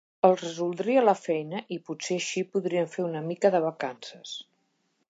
Els resoldria la feina i potser així podrien fer una mica de vacances.